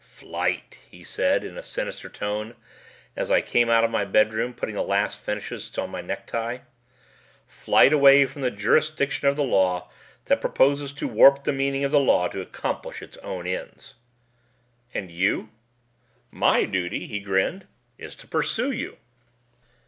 "Flight," he said in a sinister tone as I came out of my bedroom putting the last finishes on my necktie. "Flight away from the jurisdiction of the law that proposes to warp the meaning of the law to accomplish its own ends." "And you?" "My duty," he grinned, "is to pursue you."